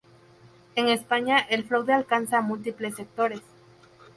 En España el fraude alcanza a múltiples sectores.